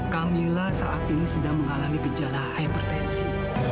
camilla saat ini sedang mengalami gejala hipertensi